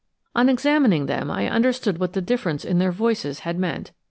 On examining them I understood what the difference in their voices had meant.